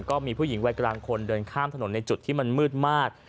ก็มีผู้หญิงวัยกลางคนเดินข้ามถนนในจุดที่มันมืดมาก